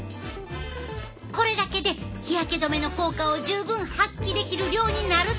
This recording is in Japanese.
これだけで日焼け止めの効果を十分発揮できる量になるっていうねん！